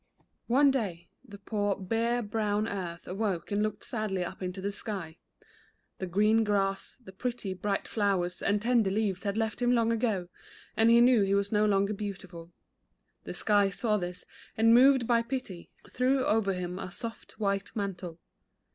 ONE day, the poor bare, brown earth awoke and looked sadly up into the sky. The green grass, the pretty, bright flowers, and tender leaves had left him long ago, and he knew he was no longer beautiful. The sky saw this, and moved by pity, threw over him a soft, white mantle.